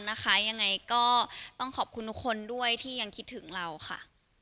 ยังไงก็ต้องขอบคุณทุกคนด้วยที่ยังคิดถึงเราค่ะ